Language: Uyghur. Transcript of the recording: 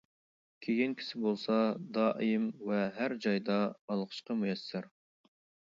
كېيىنكىسى بولسا، دائىم ۋە ھەر جايدا ئالقىشقا مۇيەسسەر.